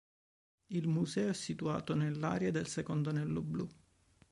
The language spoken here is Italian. Il museo è situato nell'area del secondo anello blu.